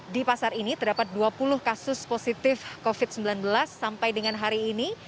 di pasar ini terdapat dua puluh kasus positif covid sembilan belas sampai dengan hari ini